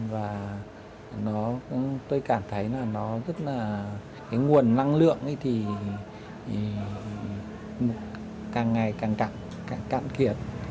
và tôi cảm thấy nguồn năng lượng thì càng ngày càng cạn kiệt